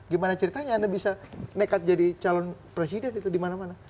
gimana ceritanya anda bisa nekat jadi calon presiden itu dimana mana